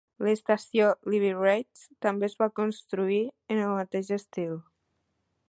L'estació d'Ivy Ridge també es va construir en el mateix estil.